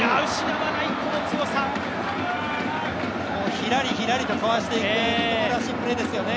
ひらり、ひらりとかわしていく、彼らしいプレーですよね。